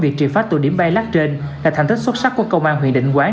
các tù điểm bay lát trên là thành tích xuất sắc của công an huyện định quán